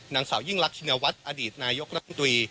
นางสาวยิ่งรักชินวัฒน์อดีตนายกรัฐมนตรี